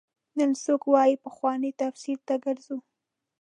نن څوک وايي پخوانو تفسیر ته ګرځو.